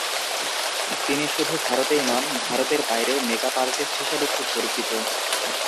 তিনি শুধু ভারতেই নন, ভারতের বাইরেও মেকআপ আর্টিস্ট হিসেবে খুব পরিচিত।